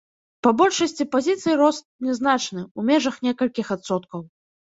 Па большасці пазіцый рост нязначны, у межах некалькіх адсоткаў.